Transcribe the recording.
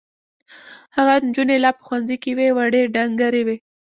هغه نجونې لا په ښوونځي کې وې وړې ډنګرې وې.